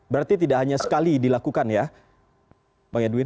berarti tidak hanya sekali dilakukan ya bang edwin